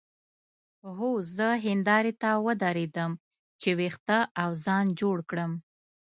هو زه هندارې ته ودرېدم چې وېښته او ځان جوړ کړم.